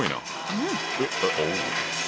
うん。